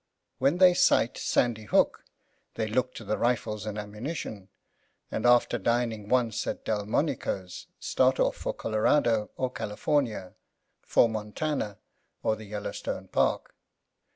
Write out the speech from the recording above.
When they sight Sandy Hook they look to their rifles and ammunition; and, after dining once at Delmonico’s, start off for Colorado or California, for Montana or the Yellow Stone Park.